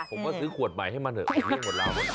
ผมก็ซื้อขวดใหม่ให้มันเถอะผมเลี่ยหมดแล้ว